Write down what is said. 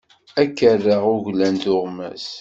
Ad k-rreɣ uglan tuɣmas.